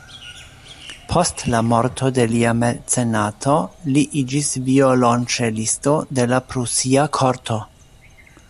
Post la morto de lia mecenato, li iĝis violonĉelisto de la prusia korto.